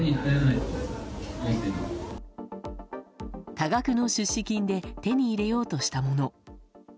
多額の出資金で手に入れようとしたもの。